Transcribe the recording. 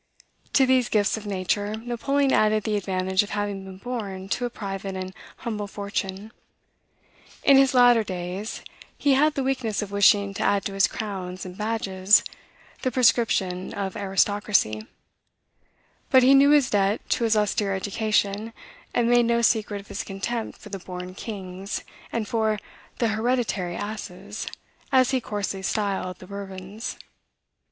To these gifts of nature, Napoleon added the advantage of having been born to a private and humble fortune. In his latter days, he had the weakness of wishing to add to his crowns and badges the prescription of aristocracy; but he knew his debt to his austere education, and made no secret of his contempt for the born kings, and for "the hereditary asses," as he coarsely styled the Bourbons.